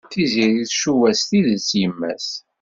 Tiziri tcuba s tidet yemma-s.